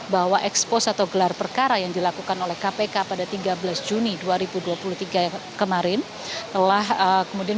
bahwa ekspos atau gelar perkara yang dilakukan oleh kpk pada tiga belas juni dua ribu dua puluh tiga kemarin telah kemudian